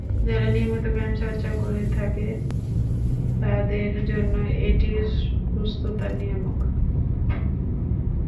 যারা নিয়মিত ব্যায়াম চর্চা করে থাকে, তাদের জন্য এটি সুস্থতার নিয়ামক।